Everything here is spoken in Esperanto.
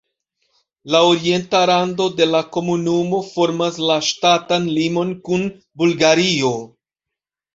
La orienta rando de la komunumo formas la ŝtatan limon kun Bulgario.